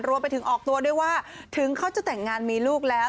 รวมไปถึงออกตัวด้วยว่าถึงเขาจะแต่งงานมีลูกแล้ว